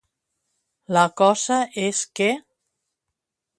La cosa és que.